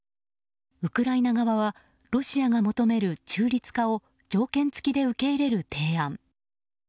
ウクライナ側はロシアが求める中立化を条件付きで受け入れる提案。